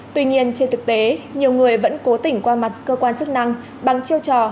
tuy nhiên trên thực tế nhiều người vẫn cố tỉnh qua mặt cơ quan chức năng bằng chiêu trò